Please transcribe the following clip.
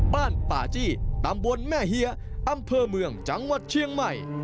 ป่าจี้ตำบลแม่เฮียอำเภอเมืองจังหวัดเชียงใหม่